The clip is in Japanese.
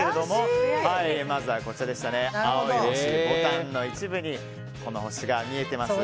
まずは、青いボタンの一部にこの星が見えています。